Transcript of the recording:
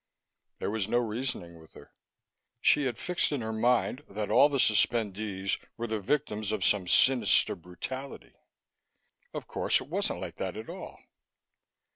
There was no reasoning with her. She had fixed in her mind that all the suspendees were the victims of some sinister brutality. Of course, it wasn't like that at all.